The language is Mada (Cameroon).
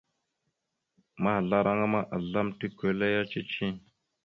Mahəzlaraŋa ma, azlam tikweleya cici.